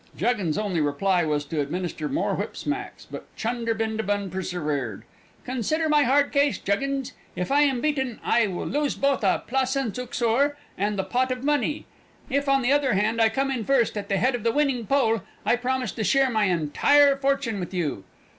Juggins's only reply was to administer more whip smacks, but Chunder Bindabun persevered. "Consider my hard case, Juggins! If I am beaten, I lose both a placens uxor and the pot of money. If, on the other hand, I come in first at the head of the winning pole I promise to share my entire fortune with you!"